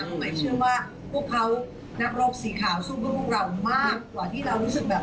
หมายถึงว่าพวกเขานักโรคสีขาวทรงพวกเรามักกว่าที่เรารู้สึกแบบ